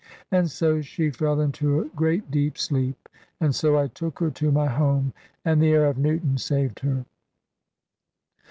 And so she fell into a great deep sleep, and so I took her to my home, and the air of Newton saved her.